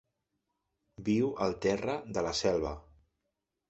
Viu al terra de la selva.